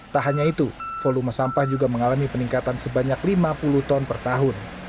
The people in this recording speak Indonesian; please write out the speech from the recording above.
tak hanya itu volume sampah juga mengalami peningkatan sebanyak lima puluh ton per tahun